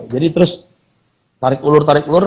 jadi terus tarik ulur tarik ulur